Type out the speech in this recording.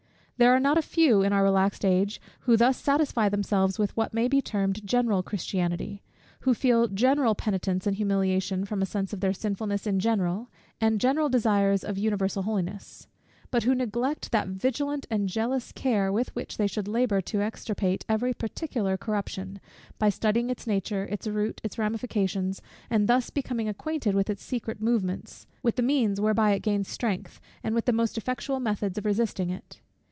There are not a few in our relaxed age, who thus satisfy themselves with what may be termed general Christianity; who feel general penitence and humiliation from a sense of their sinfulness in general, and general desires of universal holiness; but who neglect that vigilant and jealous care, with which they should labour to extirpate every particular corruption, by studying its nature, its root, its ramifications, and thus becoming acquainted with its secret movements, with the means whereby it gains strength, and with the most effectual methods of resisting it.